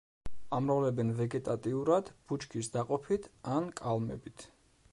ამრავლებენ ვეგეტატიურად, ბუჩქის დაყოფით ან კალმებით.